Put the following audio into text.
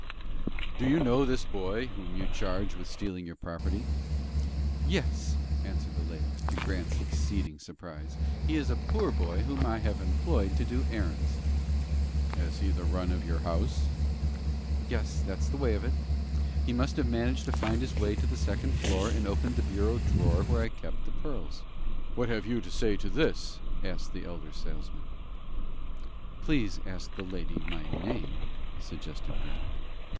"Do you know this boy whom you charge with stealing your property?" "Yes," answered the lady, to Grant's exceeding surprise; "he is a poor boy whom I have employed to do errands." "Has he had the run of your house?" "Yes, that's the way of it. He must have managed to find his way to the second floor, and opened the bureau drawer where I kept the pearls." "What have you to say to this?" asked the elder salesman. "Please ask the lady my name," suggested Grant.